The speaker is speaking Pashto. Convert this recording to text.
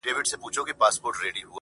ښکلا پر سپینه غاړه ,